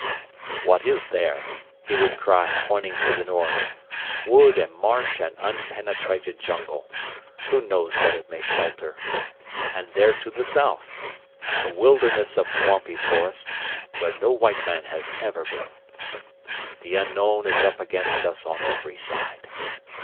"What is there?" he would cry, pointing to the north. "Wood and marsh and unpenetrated jungle. Who knows what it may shelter? And there to the south? A wilderness of swampy forest, where no white man has ever been. The unknown is up against us on every side.